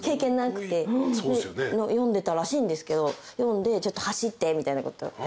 読んでたらしいんですけど読んで「ちょっと走って」みたいなこと。